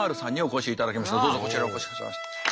どうぞこちらへお越しくださいませ。